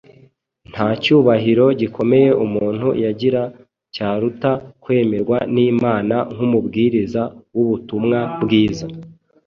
Nta cyubahiro gikomeye umuntu yagira cyaruta kwemerwa n’Imana nk’umubwiriza w’ubutumwa bwiza.